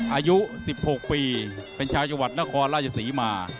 อายุ๑๖ปีเป็นชาวจังหวัดนครราชศรีมา